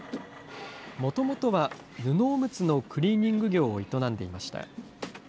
もともとは、布おむつのクリーニング業を営んでいました。